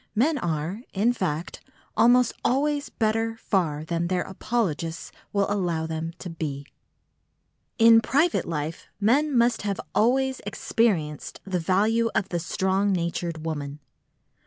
Men are, in fact, almost always better far than their apologists will allow them to be. In private life men must have always experienced the value of the strong natured woman.